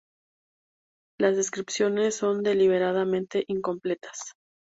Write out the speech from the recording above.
Las descripciones son deliberadamente incompletas.